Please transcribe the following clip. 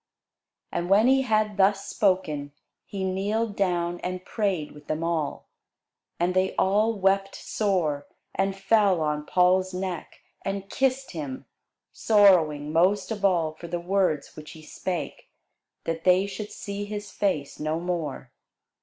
And when he had thus spoken, he kneeled down, and prayed with them all. And they all wept sore, and fell on Paul's neck, and kissed him, sorrowing most of all for the words which he spake, that they should see his face no more.